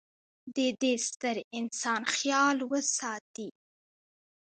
د د ې ستر انسان خیال وساتي.